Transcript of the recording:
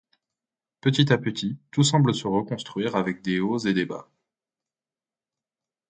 Petit à petit, tout semble se reconstruire, avec des hauts et des bas.